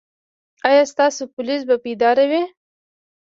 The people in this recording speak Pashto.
ایا ستاسو پولیس به بیدار وي؟